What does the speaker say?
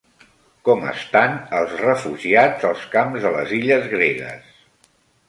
Com estan els refugiats als camps de les illes gregues?